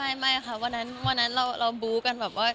ทำงานครับผม